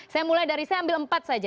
saya mulai dari saya ambil empat saja